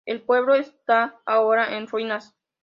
El pueblo está ahora en ruinas.